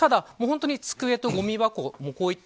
ただ、机とごみ箱